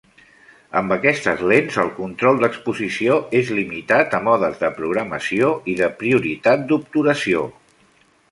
Amb aquestes lents, el control d'exposició és limitat a modes de programació i de prioritat d'obturació.